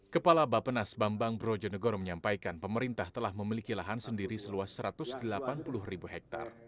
kepala bapenas bambang brojonegoro menyampaikan pemerintah telah memiliki lahan sendiri seluas satu ratus delapan puluh ribu hektare